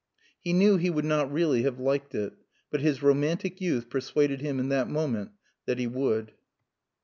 He knew he would not really have liked it. But his romantic youth persuaded him in that moment that he would.